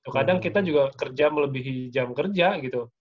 kadang kita juga kerja melebihi jam kerja gitu